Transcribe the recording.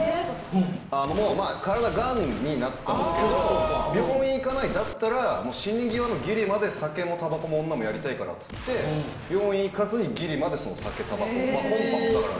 あのもうまあ体癌になったんですけど病院行かないだったらもう死に際のギリまで酒もタバコも女もやりたいからつって病院行かずにギリまで酒タバコまあコンパもだから。